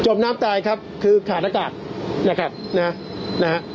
มน้ำตายครับคือขาดอากาศนะครับนะฮะ